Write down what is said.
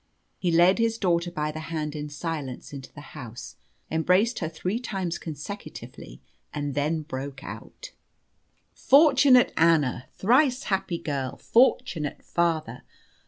He led his daughter by the hand in silence into the house, embraced her three times consecutively, and then broke out "Fortunate Anna! Thrice happy girl! Fortunate father!